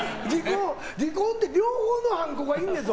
離婚って両方のハンコがいんねんぞ？